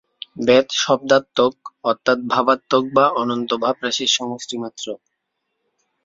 বেদ শব্দাত্মক অর্থাৎ ভাবাত্মক বা অনন্ত ভাবরাশির সমষ্টি মাত্র।